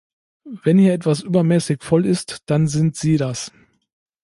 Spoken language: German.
Wenn hier etwas übermäßig voll ist, dann sind Sie das!